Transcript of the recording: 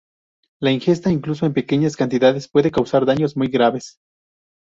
La ingesta, incluso en pequeñas cantidades, puede causar daños muy graves.